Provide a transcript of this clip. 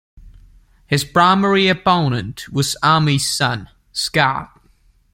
His primary opponent was Armey's son, Scott.